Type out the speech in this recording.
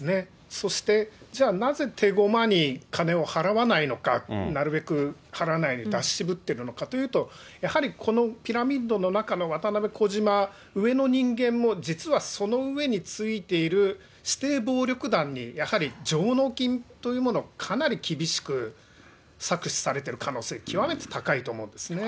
そして、じゃあなぜ手駒に金を払わないのか、なるべく払わない、出し渋ってるのかというと、やはり、このピラミッドの中の渡辺、小島、上の人間も実はその上についている指定暴力団にやはり上納金というものをかなり厳しく搾取されてる可能性、極めて高いと思うんですね。